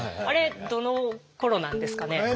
あれどのころなんですかね？